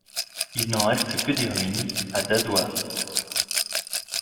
Il n’en reste que des ruines, à d’Adwa.